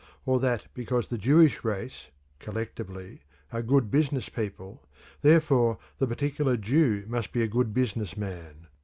Or that because the Jewish race, collectively, are good business people, therefore the particular Jew must be a good business man.